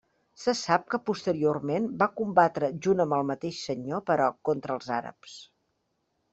Se sap que posteriorment va combatre junt amb el mateix senyor però, contra els àrabs.